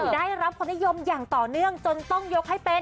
ได้รับความนิยมอย่างต่อเนื่องจนต้องยกให้เป็น